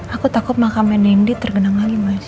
aku takut mah kamian nindi tergenang lagi mas